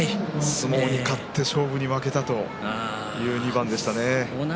相撲に勝って勝負に負けたという２番でしたね。